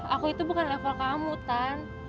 aku itu bukan level kamu kan